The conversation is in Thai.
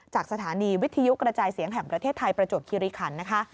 จากสถานีวิทยุกระจายเสียงแห่งประเทศไทยประจวบคิริขันนะคะ